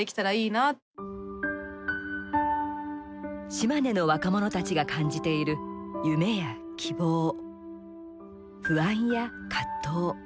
島根の若者たちが感じている夢や希望不安や葛藤。